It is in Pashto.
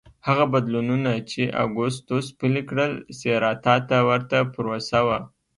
هغه بدلونونه چې اګوستوس پلي کړل سېراتا ته ورته پروسه وه